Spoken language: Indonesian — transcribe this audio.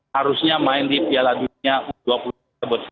harusnya main di piala dunia u dua puluh tersebut